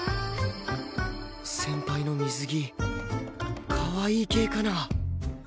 先輩の水着かわいい系かな？